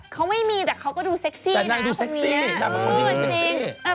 เขาไม่มีแต่เขาก็ดูเซ็กซี่นะพวกนี้น่ะโคตรจริงแต่น่าจะดูเซ็กซี่